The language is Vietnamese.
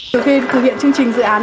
trước khi thực hiện chương trình